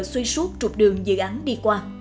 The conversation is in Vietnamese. xuyên suốt trục đường dự án đi qua